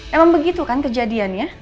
emang begitu kan kejadiannya